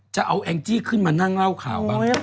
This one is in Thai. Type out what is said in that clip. แองจี้ขึ้นมานั่งเล่าข่าวบ้าง